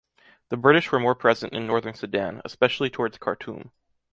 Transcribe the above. The British were more present in northern Sudan, especially towards Khartoum.